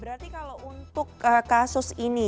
berarti kalau untuk kasus ini